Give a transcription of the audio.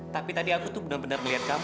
tapi tadi aku tuh bener bener melihat kamu